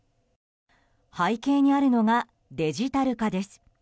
背景にあるのがデジタル化です。